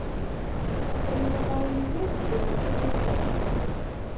А калі няма ў людзей, то не будзе і ў нас.